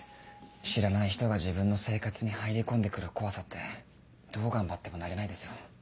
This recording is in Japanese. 知らない人が自分の生活に入り込んで来る怖さってどう頑張っても慣れないですよ。